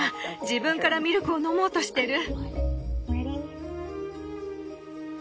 自分からミルクを飲もうとしてる。